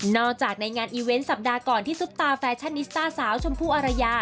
จากในงานอีเวนต์สัปดาห์ก่อนที่ซุปตาแฟชั่นนิสต้าสาวชมพู่อารยา